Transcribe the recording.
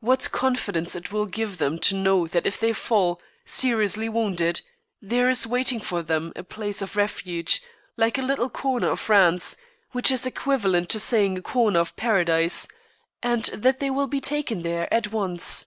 What confidence it will give them to know that if they fall, seriously wounded, there is waiting for them a place of refuge, like a little corner of France, which is equivalent to saying a corner of Paradise, and that they will be taken there at once.